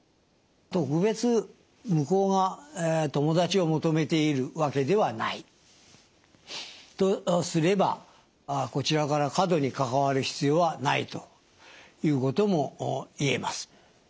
特別向こうが友達を求めているわけではないとすればこちらから過度に関わる必要はないということも言えます。